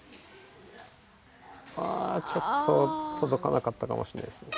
あちょっととどかなかったかもしれないですね。